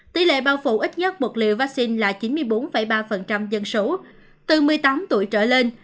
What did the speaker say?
tỷ lệ bao phủ ít nhất một liều vaccine là chín mươi bốn ba dân số từ một mươi tám tuổi trở lên